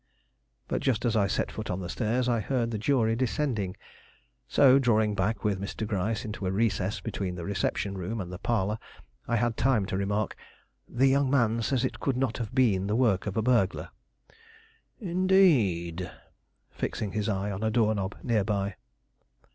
But just as I set foot on the stairs I heard the jury descending, so, drawing back with Mr. Gryce into a recess between the reception room and the parlor, I had time to remark: "The young man says it could not have been the work of a burglar." "Indeed!" fixing his eye on a door knob near by.